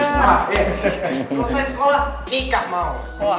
selesai sekolah nikah mau